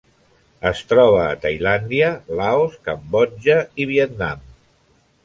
Es troba a Tailàndia, Laos, Cambodja i Vietnam.